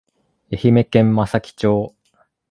愛媛県松前町